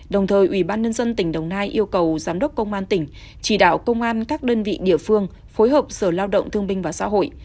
đồng thời ủy ban nhân dân tỉnh đồng nai yêu cầu giám đốc công an tỉnh chỉ đạo công an các đơn vị địa phương phối hợp sở lao động thương binh và xã hội